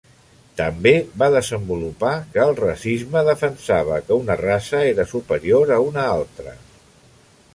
També va desenvolupar que el racisme defensava que una raça era superior a una altra.